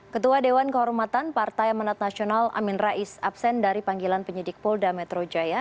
ketua dewan kehormatan partai amin raiz absen dari panggilan penyidik polda metro jaya